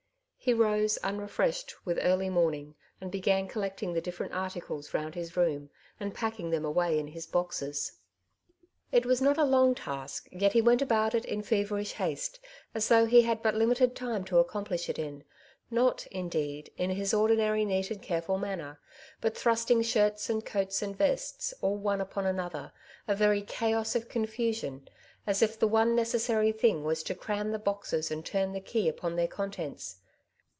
He rose, unrefreshed, with early morning, and began collecting the different articles round his room, and packing them away in his boxes. It was I 1 88 " Two Sides to every Question r not a long task, yet he went about it in feverish haste, as though he had but limited time to accom plish it in : not, indeed, in his ordinary neat and careful manner \ but thrusting shirts and coats and vests, all one upon another — a very chaos of con , fusion — as if the one necessary thing was to cram the boxes and turn the key upon their contents.